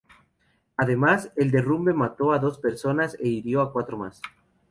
Además, el derrumbe mató a dos personas e hirió a cuatro más.